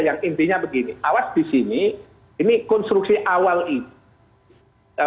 yang intinya begini awas di sini ini konstruksi awal itu